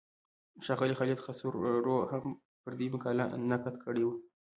ښاغلي خالد خسرو هم پر دې مقاله نقد کړی و.